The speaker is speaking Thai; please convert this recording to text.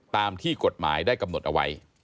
ตามที่กฎหมายได้กำหนดเอาไว้